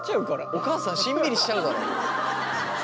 お母さんしんみりしちゃうだろ。